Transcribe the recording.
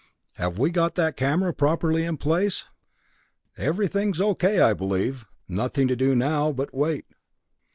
Have we got that camera properly placed?" "Everything's O.K., I believe. Nothing to do now but wait."